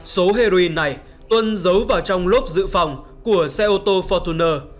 số heroin này tuân giấu vào trong lốp dự phòng của xe ô tô fortuner